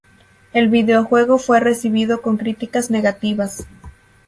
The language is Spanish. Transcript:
El videojuego fue recibido con críticas negativas.